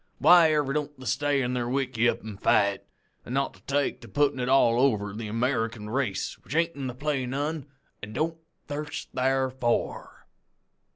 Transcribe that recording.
Whyever don't they stay in their wickeyup an' fight, an' not take to puttin' it all over the American race which ain't in the play' none an' don't thirst tharfor?